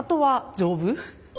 丈夫。